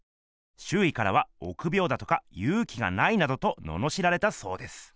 しゅういからはおくびょうだとかゆうきがないなどとののしられたそうです。